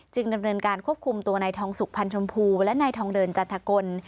ดำเนินการควบคุมตัวนายทองสุกพันธ์ชมพูและนายทองเดินจันทกล